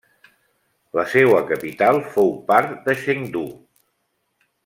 La seua capital fou part de Chengdu.